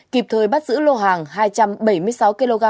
kịp thời bắt giữ lô hàng hai trăm bảy mươi sáu kg